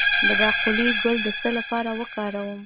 د باقلي ګل د څه لپاره وکاروم؟